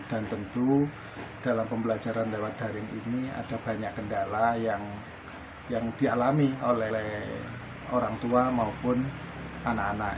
dan tentu dalam pembelajaran lewat daring ini ada banyak kendala yang dialami oleh orang tua maupun anak anak